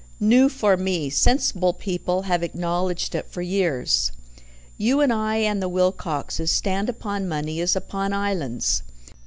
"New for me; sensible people have acknowledged it for years. You and I and the Wilcoxes stand upon money as upon islands.